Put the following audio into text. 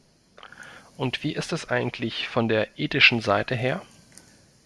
Und wie ist es eigentlich von der ethischen Seite her?